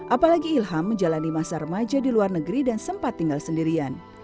apalagi ilham menjalani masa remaja di luar negeri dan sempat tinggal sendirian